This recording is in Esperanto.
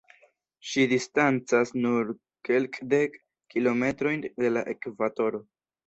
Ĝi distancas nur kelkdek kilometrojn de la ekvatoro.